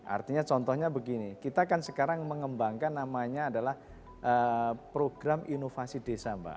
artinya contohnya begini kita kan sekarang mengembangkan namanya adalah program inovasi desa mbak